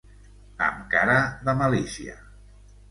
Amb cara de malícia.